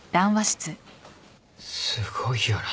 すごいよな。